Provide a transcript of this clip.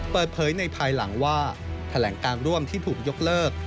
เปิดเผยในภายหลังว่าแถลงการร่วมที่ถูกยกเลิก